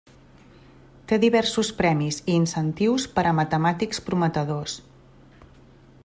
Té diversos premis i incentius per a matemàtics prometedors.